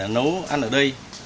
nấu ăn ở đây